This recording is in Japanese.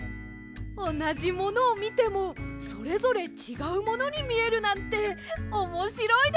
おなじものをみてもそれぞれちがうものにみえるなんておもしろいですね！